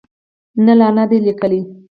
نه، لا نه ده لیکلې